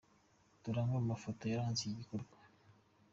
Dore amwe mu mafoto yaranze iki gikorwa:.